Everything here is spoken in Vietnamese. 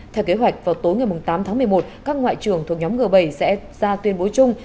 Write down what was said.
theo kế hoạch vào tối ngày tám tháng một mươi một các ngoại trưởng thuộc nhóm g bảy sẽ ra tuyên bố chung